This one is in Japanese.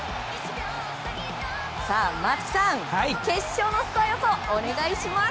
松木さん、決勝のスコア予想をお願いします。